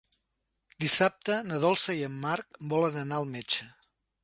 Dissabte na Dolça i en Marc volen anar al metge.